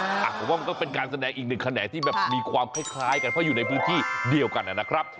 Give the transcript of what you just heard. ผมว่ามันก็เป็นการแสดงอีกหนึ่งแขนงที่แบบมีความคล้ายกันเพราะอยู่ในพื้นที่เดียวกันนะครับ